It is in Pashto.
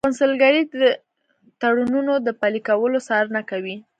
قونسلګرۍ د تړونونو د پلي کولو څارنه کوي